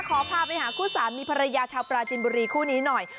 ขอพาไปหาคู่สามีภรรยาชาวปราจินบุรีคู่นี้หน่อย